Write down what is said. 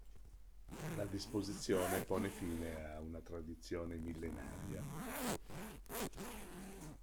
La disposizione pone fine a una tradizione millenaria.